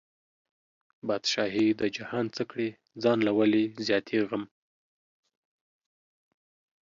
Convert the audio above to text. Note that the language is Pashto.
بادشاهي د جهان څه کړې، ځان له ولې زیاتی غم